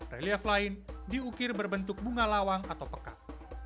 relief lain diukir berbentuk bunga lawang atau pekat